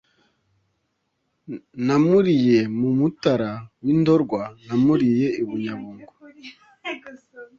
Namuriye mu Mutara w'i Ndorwa, namuriye i Bunyabungo,